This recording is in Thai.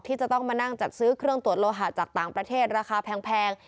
ที่จะต้องมานั่งจัดซื้อเครื่องตรวจโลหะจากต่างประเทศราคาแพง